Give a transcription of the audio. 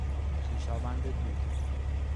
خویشاوند دور